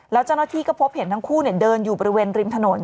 แล้วเจ้าหน้าที่ก็พบเห็นทั้งคู่เดินอยู่บริเวณริมถนน